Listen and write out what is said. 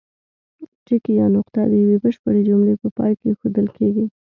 ټکی یا نقطه د یوې بشپړې جملې په پای کې اېښودل کیږي.